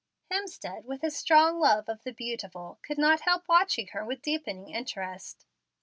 Hemstead, with his strong love of the beautiful, could not help watching her with deepening interest.